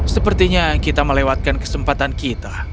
sepertinya kita melewatkan kesempatan kita